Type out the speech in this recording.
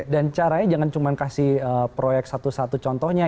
dan caranya jangan cuma kasih proyek satu satu contohnya